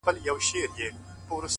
هغه ښايسته بنگړى په وينو ســـور دى،